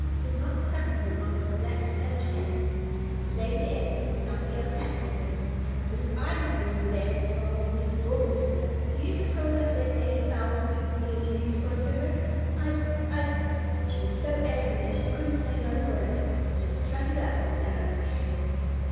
It is not the custom among the Black Spanish Hens. We lay the eggs and somebody else hatches them. But if I had been on the nest as long as Mrs. Dorking has, do you suppose I'd let any fowl speak to me as you spoke to her? I'd I'd " and she was so angry that she couldn't say another word, but just strutted up and down and cackled.